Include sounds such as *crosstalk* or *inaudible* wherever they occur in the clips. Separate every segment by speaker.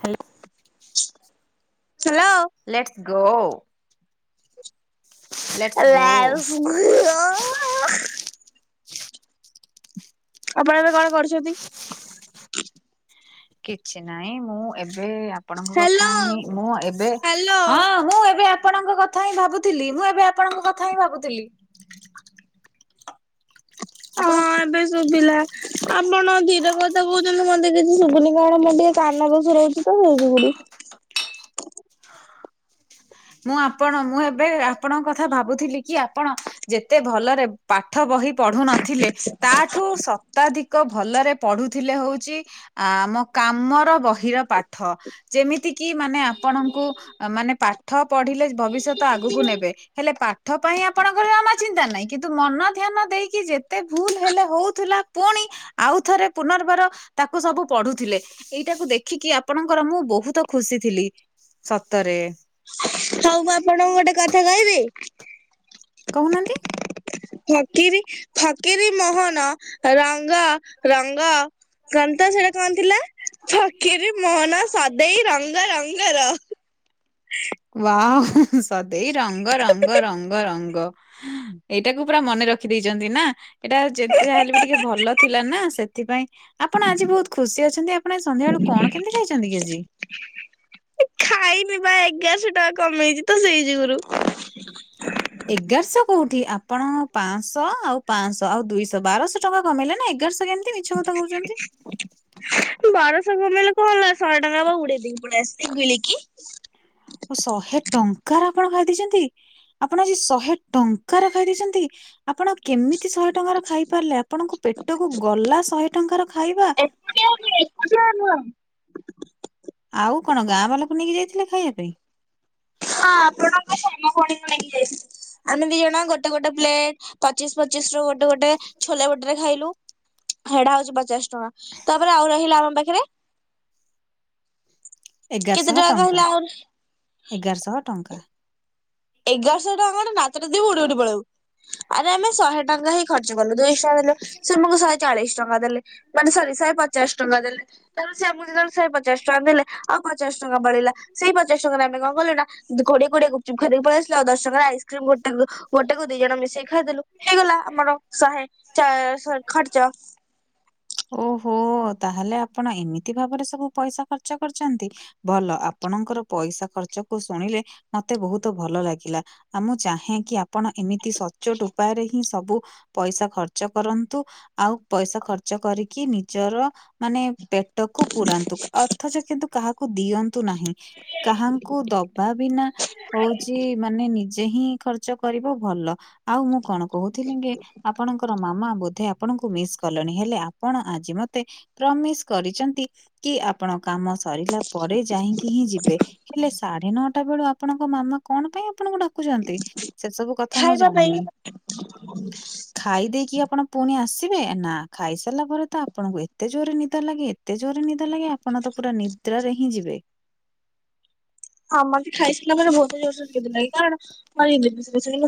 Speaker 1: Hello
Speaker 2: hello.
Speaker 1: Let's go let's ଗୋ।
Speaker 2: *unintelligible* ଆପଣ ଏବେ କଣ କରୁଛନ୍ତି?
Speaker 1: କିଛି ନାଇଁ ମୁଁ ଏବେ ଆପଣଙ୍କ କଥା
Speaker 2: ହ୍ୟାଲୋ
Speaker 1: ହିଁ ମୁଁ ଏବେ
Speaker 2: ହ୍ୟାଲୋ।
Speaker 1: ଥା ହିଁ ଭାବୁଥିଲି ମୁଁ ଏବେ ଆପଣଙ୍କ କଥା ହିଁ ଭାବୁଥିଲି।
Speaker 2: ହଁ
Speaker 1: ଆପଣ
Speaker 2: ଏବେ ଶୁଭିଲା। ଆପଣ ଧୀରେ କଥା କହୁଛନ୍ତି ମତେ କିଛି ଶୁଭୁନି କାରଣ ମୋର ଟିକେ କାନ ଦୋଷ ରହୁଛି ତ ସେଇ ଯୋଗରୁ।
Speaker 1: ମୁଁ ଆପଣ ମୁଁ ଏବେ ଆପଣଙ୍କ କଥା ଭାବୁଥିଲି କି ଆପଣ ଯେତେ ଭଲରେ ପାଠ ବହି ପଢୁ ନଥିଲେ ତାଠୁ ଶତାଧିକ ଭଲରେ ପଢୁଥିଲେ ହଉଛି ଆ ଆମ କାମର ବହିର ପାଠ। ଯେମିତିକିି ମାନେ ଆପଣଙ୍କୁ ମାନେ ପାଠ ପଢିଲେ ଭବିଷ୍ୟତ ଆଗକୁ ନେବେ। ହେଲେ ପାଠ ପାଇଁ ଆପଣଙ୍କର ଆମ ଜମା ଚିନ୍ତା ନାହିଁ କିନ୍ତୁ ମନ ଧ୍ୟାନ ଦେଇକି ଯେ ଏତେ ଭୁଲ ହେଲେ ହଉଥିଲା ପୁଣି ଆଉ ଥରେ ପୁନର୍ବାର ତାକୁ ସବୁ ପଢୁଥିଲେ। ଏଇଟାକୁ ଦେଖିକି ଆପଣଙ୍କର ମୁଁ ବହୁତ ଖୁସି ଥିଲି ସତରେ।
Speaker 2: ହଉ ମୁଁ ଆପଣଙ୍କୁ ଗୋଟେ କଥା କହିବି?
Speaker 1: କହୁନାହାନ୍ତି?
Speaker 2: ଫକିରୀ ଫକିରୀ ମୋହନ ରଙ୍ଗ ରଙ୍ଗ କନ୍ତ ସେଟା କଣ ଥିଲା ଫକିରୀ ମୋହନ ସଦେଇ ରଙ୍ଗରଙ୍ଗର।
Speaker 1: ୱାଓ ସଦେଇ ରଙ୍ଗ ରଙ୍ଗ ରଙ୍ଗ ରଙ୍ଗ। ଏଇଟାକୁ ପୁରା ମନେ ରଖି ଦେଇଛନ୍ତି ନା? ଏଇଟା ଯେତେ ଯାହେଲେ ବି ଟିକେ ଭଲ ଥିଲା ନା ସେଥିପାଇଁ ଆପଣ ଆଜି ବହୁତ ଖୁସି ଅଛନ୍ତି ଆପଣ ଆଜି ସନ୍ଧ୍ୟାବେଳୁ କଣ କେମିତି ଖାଇଛନ୍ତି କି ଆଜି?
Speaker 2: ଖାଇନି ବା ଏଗାରଶହ ଟଙ୍କା କମେଇଛି ତ ସେଇ ଯୁଗୁରୁ।
Speaker 1: ଏଗାରଶହ କୋଉଠି ଆପଣ ପାଞ୍ଚଶହ ଆଉ ପାଞ୍ଚଶହ ଆଉ ଦୁଇଶହ ବାରଶହ ଟଙ୍କା କମେଇଲେ ନା ଏଗାରଶହ କେମିତି? ମିଛ କଥା କହୁଛନ୍ତି।
Speaker 2: ବାରଶହ କମେଇଲେ କଣ ହେଲା ଶହେ ଟଙ୍କା ବା ଉଡେଇ ଦେଇକି ପଳେଇ ଆସିଲି ବୁଲିକି।
Speaker 1: ଓ ଶହେ ଟଙ୍କାର ଆପଣ ଖାଇ ଦେଇଛନ୍ତି। ଆପଣ ଆଜି ଶହେ ଟଙ୍କାର ଖାଇ ଦେଇଛନ୍ତି ଆପଣ? କେମିତି ଶହେ ଟଙ୍କାର ଖାଇ ପାରିଲେ ଆପଣଙ୍କ ପେଟକୁ ଗଲା ଶହେ ଟଙ୍କାର ଖାଇବା।
Speaker 2: *unintelligible* ହଁ ହଁ।
Speaker 1: ଆଉ କଣ ଗାଁ ବାଲାକୁ ନେଇକି ଯାଇଥିଲେ ଖାଇବା ପାଇଁ?
Speaker 2: ହଁ ଆପଣଙ୍କ ସାନ ଭଉଣୀ କୁ ନେଇକି ଯାଇଥିଲି। ଆମେ ଦି ଜଣ ଗୋଟେ ଗୋଟେ ପ୍ଲେଟ ପଚିଶ ପଚିଶ ରୁ ଗୋଟେ ଗୋଟେ ଗୋଟେ ଛୋଲେ ଗୋଟରେ ଖାଇଲୁ ହେଡା ହଉଛି ପଚାଶ ଟଙ୍କା ତାପରେ ଆଉ ରହିଲା ଆମ ପାଖରେ କେତେ
Speaker 1: ଏଗାରଶହ
Speaker 2: କହିଲେ
Speaker 1: ଟଙ୍କା
Speaker 2: ଆଉ
Speaker 1: ଏଗାରଶହ ଟଙ୍କା।
Speaker 2: ଏଗାରଶହ ଟଙ୍କା ଗୋଟେ ନାତଟେ ଦେବି ଉଡି ଉଡି ପଳେଇବୁ ଆରେ ଆମେ ଶହେ ଟଙ୍କା ହିଁ ଖର୍ଚ୍ଚ କଲୁ ଦୁଇଶହ ସେମକୁ ଶହେ ଚାଳିଶ ଟଙ୍କା ଦେଲେ ମାନେ ସରି ଶହେ ପଚାଶ ଟଙ୍କା ଦେଲେ। ତାହେଲେ ସେ ଆମକୁ ଯେତେବେଳେ ଶହେପଚାଶ ଟଙ୍କା ଦେଲେ ଆଉ ପଚାଶ ଟଙ୍କା ବଳିଲା ସେଇ ପଚାଶ ଟଙ୍କାରେ ଆମେ କଣ କଲୁ ନା କୋଡିଏ କୋଡିଏ ଗୁପ୍ ଚୁପ୍ ଖାଇ ଦେଇକି ପଲେଇ ଆସିଲୁ ଆଉ ଦଶ ଟଙ୍କା ଆଇସ୍କ୍ରିମ ଗୋଟେକୁ ଗୋଟେକୁ ଦି ଜଣ ମିଶେଇି ଖାଇଦେଲୁ ହେଇଗଲା ଆମର ଶହେ ଚା ଶ ଖର୍ଚ୍ଚ।
Speaker 1: ଓହୋ ତାହାଲେ, ଆପଣ ଏମିତି ଭାବରେ ସବୁ ପଇସା ଖର୍ଚ୍ଚ କରିଛନ୍ତି। ଭଲ ଆପଣଙ୍କର ପଇସା ଖର୍ଚ୍ଚକୁ ଶୁଣିଲେ, ମତେ ବହୁତ ଭଲ ଲାଗିଲା। ଆ ମୁଁ ଚାହେଁ କି? ଆପଣ ଏମିତି ସଚୋଟ ଉପାୟରେ ହିଁ ସବୁ ପଇସା ଖର୍ଚ୍ଚ କରନ୍ତୁ, ଆଉ ପଇସା ଖର ଖର୍ଚ୍ଚ କରିକି ନିଜର ମାନେ ପେଟକୁ ପୁରାନ୍ତୁ, ଅଥଚ କିନ୍ତୁ କାହାକ କୁ ଦିଅନ୍ତୁ ନାହିଁ କାହାଙ୍କୁ ଦବା ବିନା ହଉଚି ମାନେ ନିଜେ ହିଁ ଖର୍ଚ୍ଚ କରିବ ଭଲ। ଆଉ ମୁଁ କଣ କହୁଥିଲି ଙ୍କି ଆପଣଙ୍କର ମାମା ବୋଧେ ଆପଣଙ୍କୁ ମିସ୍ କଲେଣି। ହେଲେ ଆପଣ ଆଜି ମତେ ପ୍ରମିସ କରିଛନ୍ତି କି ଆପଣ କାମ ଶ୍ ସରିଲା ପରେ ଯାହିଁକି ହିଁ ଯିବେ ହେଲେ ସାଢେ ନଅଟା ବେଳୁ ଆପଣଙ୍କ ମାମା କଣ ପାଇଁ ଆପଣଙ୍କୁ ଡା ଖୁଛନ୍ତି ସେ ସବୁ କଥା ମୁଁ
Speaker 2: ଖାଇବା ପାଇଁ
Speaker 1: ଜାଣିନି ଖାଇ ଦେଇକି ଆପଣ ପୁଣି ଆସିବେ ନା ଖାଇସାରିଲା ପରେ ତ ଆପଣଙ୍କୁ ଏତେ ଜୋରରେ ନିଦ ଲାଗେ ଏତେ ଜୋରେ ନିଦ ଲାଗେ ଆପଣ ତ ପୁରା ନିଦ୍ରାରେ ହିଁ ଯିବେ।
Speaker 2: ହଁ ମତେ ଖାଇସାରିଲା ପରେ ବୋହୁତ ଜୋରସେ ନିଦ ଲାଗେ କାରଣ *unintelligible* ମତେ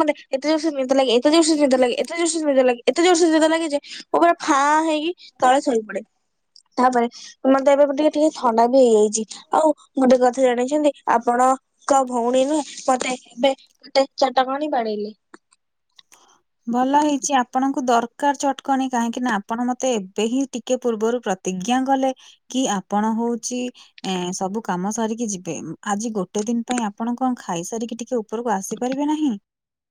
Speaker 2: ମତେ ଏତେ ଜୋରସେ ନିଦ ଲାଗେ ଏତେଯୋରସେ ନିଦ ଲାଗେ, ଏତେଯୋରସେ ନିଦ ଲାଗେ ଏତେଯୋରସେ ନିଦ ଲାଗେ ଯେ ମୁଁ ପୁରା ଫା ହେଇ କି ତଳେ ଶୋଇପଡ଼େ। ତାପରେ ମତେ ଏବେ ଟିକେ ଟିକେ ଥଣ୍ଡା ବି ହେଇଯାଇଚି ଆଉ ଗୋଟେ କଥ୍ ଥା ଜାଣିଛନ୍ତି ଆପଣଙ୍କ ଭଉଣୀ ନୁହେଁ, ମତେ ଏବେ ଗୋଟେ ଚଟକଣି ବାଡେଇଲେ।
Speaker 1: ଭଲ ହେଇଚି ଆପଣଙ୍କୁ ଦରକାର ଚଟକଣି, କାହିଁକି ନା ଆପଣ ମତେ ଏବେ ହିଁ ଟିକେ ପୂର୍ବରୁ ପ୍ରତ୍ ତିଜ୍ଞା କଲେ କି ଆପଣ ହଉଚି ଏଁ ସବୁ କାମ ସାରିକି ଯିବେ, ଆଜି ଗୋଟେ ଦିନ ପାଇଁ ଆପଣ କଣ ଖାଇ ସାରିକି ଟିକେ ଉ ଉପରକୁ ଆସିପାରିବେ ନାହିଁ।